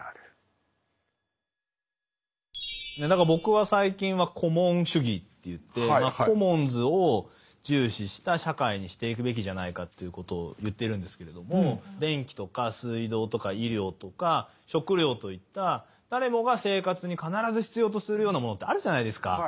僕は最近はコモン主義っていってコモンズを重視した社会にしていくべきじゃないかっていうことを言っているんですけれども電気とか水道とか医療とか食料といった誰もが生活に必ず必要とするようなものってあるじゃないですか。